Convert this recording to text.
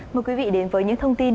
mời quý vị đến với những thông tin